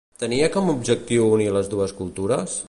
Tenia com a objectiu unir les dues cultures?